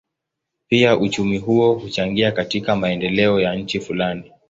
Pia uchumi huo huchangia katika maendeleo ya nchi fulani.